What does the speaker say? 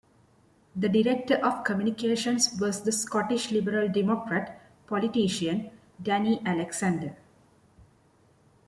The director of communications was the Scottish Liberal Democrat politician Danny Alexander.